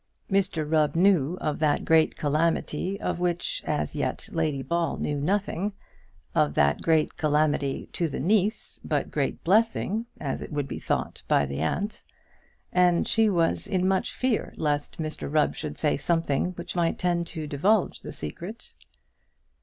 Mr Rubb knew of that great calamity of which, as yet, Lady Ball knew nothing, of that great calamity to the niece, but great blessing, as it would be thought by the aunt. And she was in much fear lest Mr Rubb should say something which might tend to divulge the secret.